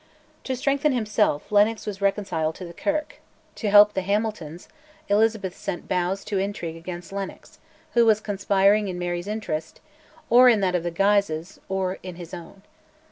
To strengthen himself, Lennox was reconciled to the Kirk; to help the Hamiltons, Elizabeth sent Bowes to intrigue against Lennox, who was conspiring in Mary's interest, or in that of the Guises, or in his own.